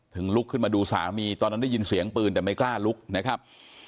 ลุกขึ้นมาดูสามีตอนนั้นได้ยินเสียงปืนแต่ไม่กล้าลุกนะครับ